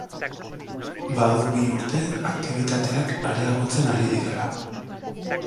Badu bi urte aktibitateak areagotzen ari direla.